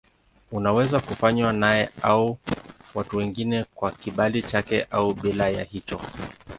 Unaweza kufanywa naye au na watu wengine kwa kibali chake au bila ya hicho.